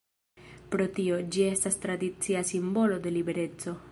Pro tio, ĝi estas tradicia simbolo de libereco.